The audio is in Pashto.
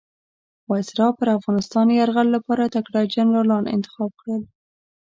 وایسرا پر افغانستان یرغل لپاره تکړه جنرالان انتخاب کړل.